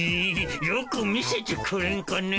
よく見せてくれんかね。